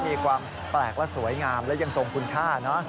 มีความแปลกและสวยงามและยังทรงคุณค่านะ